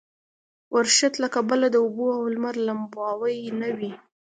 ورښت له کبله د اوبو او لمر لمباوې نه وې.